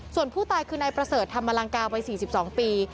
ส่วนผู้ตายคือนายประเสริฐธรรมลังกาวัย๔๒ปี